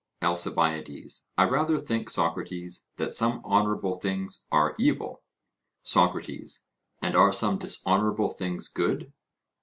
ALCIBIADES: I rather think, Socrates, that some honourable things are evil. SOCRATES: And are some dishonourable things good?